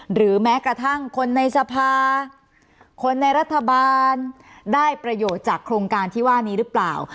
หรือแม้กระทั่งคนในสภาคนในรัฐบาลได้ประโยชน์จากโครงการที่ว่านี้หรือเปล่า